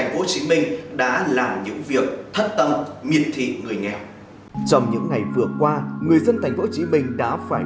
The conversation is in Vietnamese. buổi đời không phát đi ra ngoài